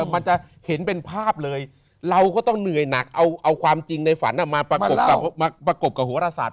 มันจะเห็นเป็นภาพเลยเราก็ต้องเหนื่อยหนักเอาความจริงในฝันมาประกบกับหัวรศาส